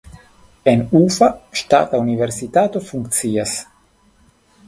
En Ufa ŝtata universitato funkcias.